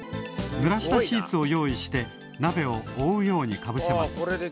ぬらしたシーツを用意してなべをおおうようにかぶせます。